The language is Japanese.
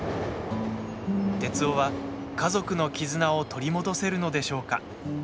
徹生は家族の絆を取り戻せるのでしょうか。